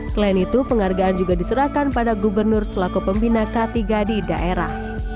selain itu penghargaan juga diserahkan pada gubernur selaku pembina k tiga di daerah